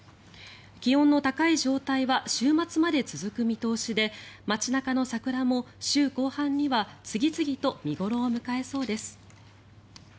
気温の高い状態は週末まで続く見通しで街中の桜も週後半には次々と見頃を迎えそうです。